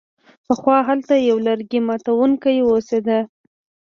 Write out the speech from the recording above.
پخوا هلته یو لرګي ماتوونکی اوسیده.